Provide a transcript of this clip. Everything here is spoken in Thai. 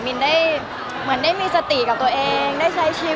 มันเป็นเรื่องน่ารักที่เวลาเจอกันเราต้องแซวอะไรอย่างเงี้ย